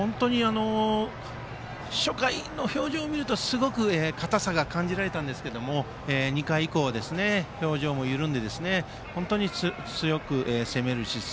初回の表情を見るとすごく硬さが感じられたんですが、２回以降は表情も緩んで強く攻める姿勢。